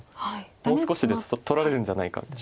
もう少しですと取られるんじゃないかって。